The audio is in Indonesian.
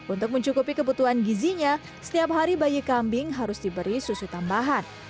untuk mencukupi kebutuhan gizinya setiap hari bayi kambing harus diberi susu tambahan